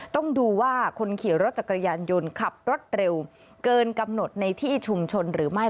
ต้องดูว่าคนขี่รถจักรยานยนต์ขับรถเร็วเกินกำหนดในที่ชุมชนหรือไม่